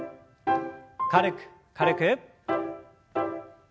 軽く軽く。